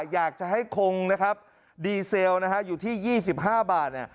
อยากจะให้คงนะครับดีเซลอยู่ที่๒๕บาท